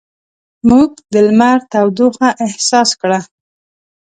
موږ د لمر تودوخه احساس کړه.